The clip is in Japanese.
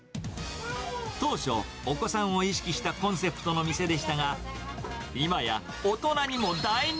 当初、お子さんを意識したコンセプトの店でしたが、今や、大人にも大人